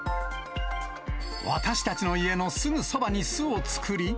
私たちの家のすぐそばに巣を作り。